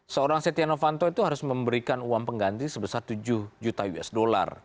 seorang setia novanto itu harus memberikan uang pengganti sebesar tujuh juta usd